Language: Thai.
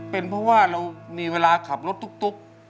เป็นเพราะว่าเรามีเวลาขับรถตุ๊ก